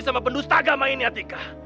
sama penduduk tagama ini atika